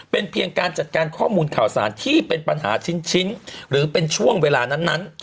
เป็นเพียงการจัดการข้อมูลข่าวสารที่เป็นปัญหาชิ้นหรือเป็นช่วงเวลานั้น